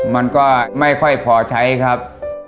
มันก็ไม่ค่อยพอใช้ครับ